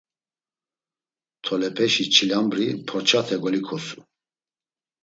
Tolepeşi çilambri porçate golikosu.